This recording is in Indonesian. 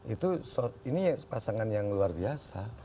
itu ini pasangan yang luar biasa